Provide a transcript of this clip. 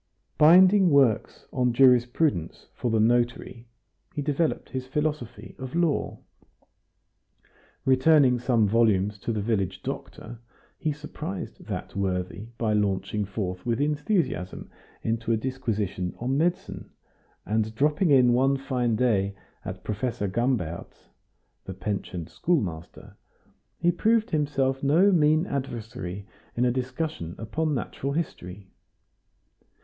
Binding works on jurisprudence for the notary, he developed his philosophy of law; returning some volumes to the village doctor, he surprised that worthy by launching forth with enthusiasm into a disquisition on medicine; and dropping in one fine day at Professor Gambert's, the pensioned schoolmaster, he proved himself no mean adversary in a discussion upon natural history.